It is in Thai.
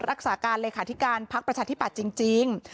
รักษาการเลขาธิการพักประชาธิปัตย์จริง